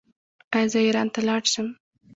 ایا زه ایران ته لاړ شم؟